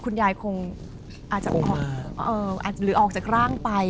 คุณยายคงอาจจะหรือออกจากร่างไป